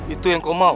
itu yang kau mau